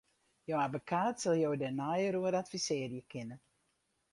Jo abbekaat sil jo dêr neier oer advisearje kinne.